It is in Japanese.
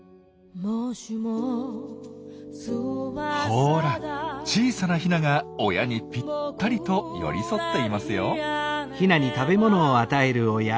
ほら小さなヒナが親にぴったりと寄り添っていますよ。